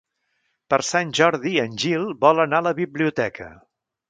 Per Sant Jordi en Gil vol anar a la biblioteca.